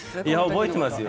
覚えていますよ